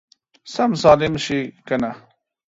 سم ظالم شې يې کنه!